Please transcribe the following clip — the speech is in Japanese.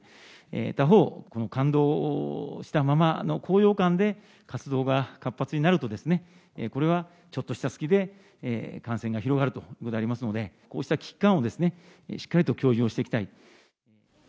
他方、この感動したままの高揚感で活動が活発になるとですね、これはちょっとした隙で、感染が広がるということでありますので、こうした危機感をしっかりと共有をしていきたい。